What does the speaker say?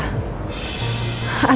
anin akan balikin ke elsa